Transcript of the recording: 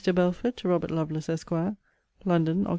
BELFORD, TO ROBERT LOVELACE, ESQ. LONDON, OCT.